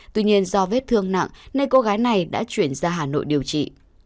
tuy nhiên do vết thương nặng nên cô gái này đã chuyển ra hà nội điều trị